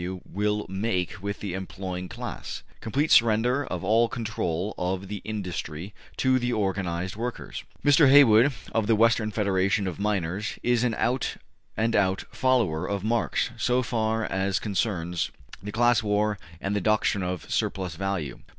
W. will make with the employing class complete surrender of all control of industry to the organized workers.'' Mr. Haywood, of the Western Federation of Miners, is an out and out follower of Marx so far as concerns the class war and the doctrine of surplus value.